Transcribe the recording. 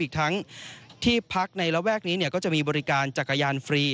ทั้งที่พักในระแวกนี้ก็จะมีบริการจักรยานฟรี